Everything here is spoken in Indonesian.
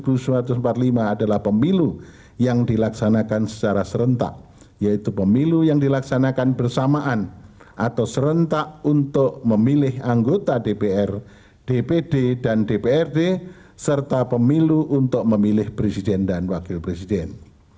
sesuai dengan undang undang dasar seribu sembilan ratus empat puluh lima adalah pemilu yang dilaksanakan secara serentak yaitu pemilu yang dilaksanakan bersamaan atau serentak untuk memilih anggota dpr dpd dan dprd serta pemilu untuk memilih presiden dan wakil presiden